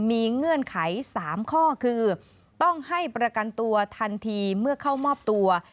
มีเงื่อนไข๓ข้อคือต้องให้ประกันตัวทันทีเมื่อเข้ามอบตัว